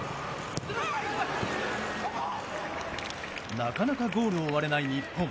なかなかゴールを割れない日本。